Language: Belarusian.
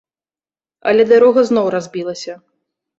Але дарога зноў разбілася.